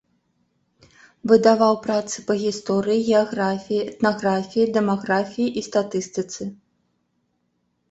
Выдаваў працы па гісторыі, геаграфіі, этнаграфіі, дэмаграфіі і статыстыцы.